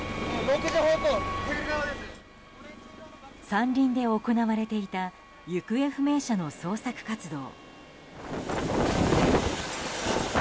山林で行われていた行方不明者の捜索活動。